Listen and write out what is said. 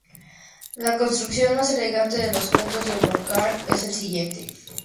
La construcción más elegante de los puntos de Brocard es el siguiente.